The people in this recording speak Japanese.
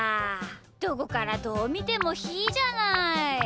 どこからどうみてもひーじゃない。